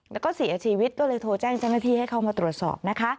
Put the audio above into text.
แล้วก็เสียชีวิตก็เลยโทรแจ้งเจ้าหน้าที่ให้เข้ามาตรวจสอบนะคะ